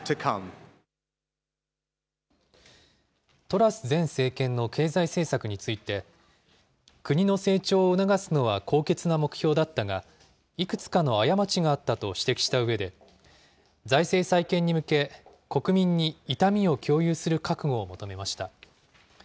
トラス前政権の経済政策について、国の成長を促すのは高潔な目標だったが、いくつかの過ちがあったと指摘したうえで、財政再建に向け、国民に痛みを共有する覚悟を求めました。